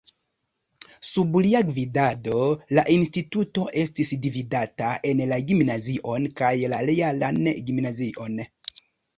Sub lia gvidado la instituto estis dividita en la gimnazion kaj la realan gimnazion.